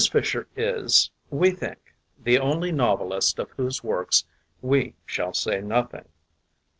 FISHER is, we think, the only novelist of whose work we shall say nothing.